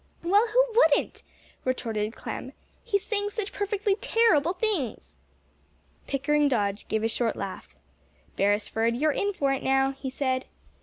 "Well, who wouldn't?" retorted Clem, "he's saying such perfectly terrible things." Pickering Dodge gave a short laugh. "Beresford, you're in for it now," he said.